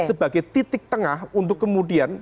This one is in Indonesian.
sebagai titik tengah untuk kemudian